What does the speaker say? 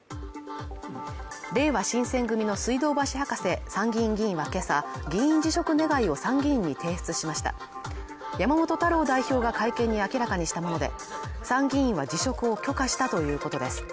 れいわ新選組の水道橋博士参議院議員はけさ議員辞職願を参議院に提出しました山本太郎代表が会見で明らかにしたもので参議院議員は辞職を許可したということです